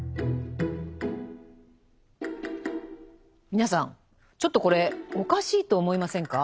皆さんちょっとこれおかしいと思いませんか？